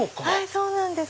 そうなんです。